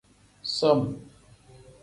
Som.